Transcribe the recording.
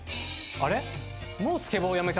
あれ？